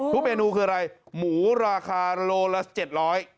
เมนูคืออะไรหมูราคาโลละ๗๐๐บาท